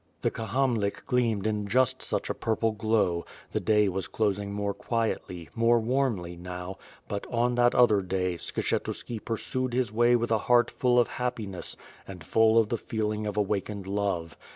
The Kahamlik gleamed in just such a purple glow, the day was closing more quietly, more warmly, now, but, on that other day, Skshetuski pur sued his way with a heart full of happiness and full of the feeling of awakened love.